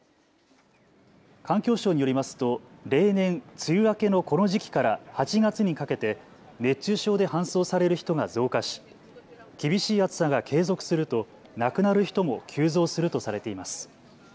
環境省によりますと例年、梅雨明けのこの時期から８月にかけて熱中症で搬送される人が増加し厳しい暑さが継続すると亡くなる人も急増するとされています。